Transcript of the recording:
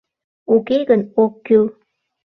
Уке гын, ок кӱл...